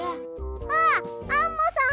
あっアンモさん！